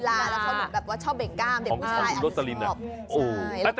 เป็นนักฟุตบอทคุณลูกแบบว่าชอบเบ่งก้ามเด็กผู้ชายใหญ่สำหรับมิงก้าอ๋อคุณโรสโต๊ะรินน่ะชอบ